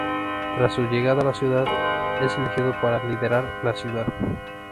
Tras su llegada a la ciudad, es elegido para liderar la ciudad.